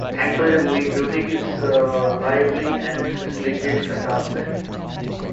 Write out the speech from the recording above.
Thankfully the music is lively and facilitates the task.